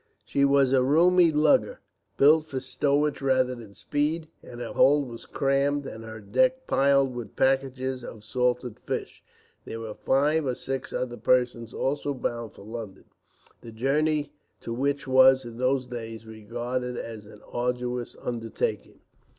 She was a roomy lugger, built for stowage rather than speed, and her hold was crammed and her deck piled with packages of salted fish. There were five or six other persons also bound for London, the journey to which was, in those days, regarded as an arduous undertaking.